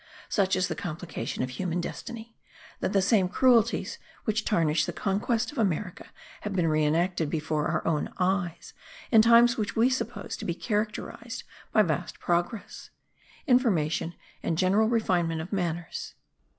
Such is the complication of human destiny, that the same cruelties which tarnished the conquest of America have been re enacted before our own eyes in times which we suppose to be characterized by vast progress, information and general refinement of manners.